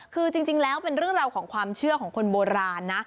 คือจริงแล้วเป็นเรื่องราวของความเชื่อของคนโบราณนะ